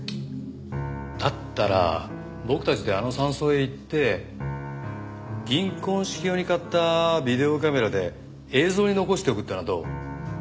だったら僕たちであの山荘へ行って銀婚式用に買ったビデオカメラで映像に残しておくってのはどう？